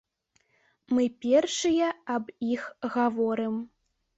Мы першыя аб іх гаворым.